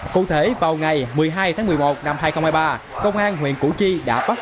cụ thể vào ngày một mươi hai tháng một mươi một năm hai nghìn hai mươi ba công an huyện củ chi đã bắt